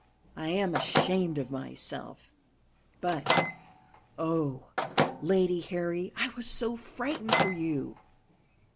I am ashamed of myself. But, oh, Lady Harry, I was so frightened for you!